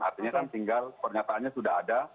artinya kan tinggal pernyataannya sudah ada